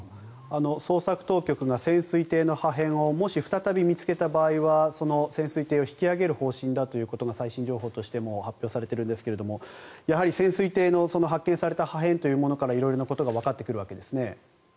捜索当局が潜水艇の破片をもし再び見つけた場合は潜水艇を引き揚げる方針だということが最新情報としても発表されているんですがやはり潜水艇の発見された破片というものから色々なことがわかってくるわけですね。